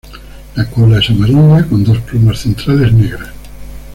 La cola es amarilla, con dos plumas centrales negras.